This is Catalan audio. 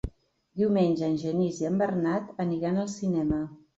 Diumenge en Genís i en Bernat aniran al cinema.